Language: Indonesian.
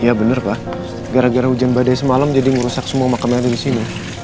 iya bener pak gara gara hujan badai semalam jadi merusak semua makam nia nindi di sini